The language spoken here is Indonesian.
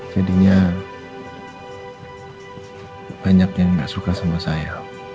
jadinya banyak yang nggak suka sama saya